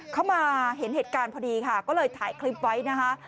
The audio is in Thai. เข้ามาเห็นเหตุการณ์พอดีค่ะก็เลยถ่ายคลิปไว้นะคะ